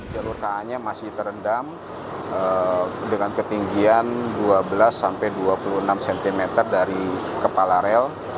jalur ka nya masih terendam dengan ketinggian dua belas sampai dua puluh enam cm dari kepala rel